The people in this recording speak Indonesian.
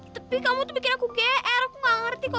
tapi kamu tuh gak suka sama aku